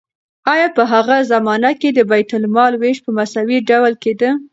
آیا په هغه زمانه کې د بیت المال ویش په مساوي ډول کیده؟